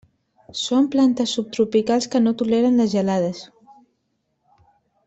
Són plantes subtropicals que no toleren les gelades.